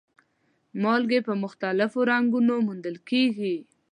مالګې په مختلفو رنګونو موندل کیږي.